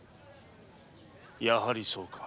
やはりそうか。